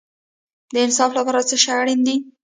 د انصاف لپاره څه شی اړین دی؟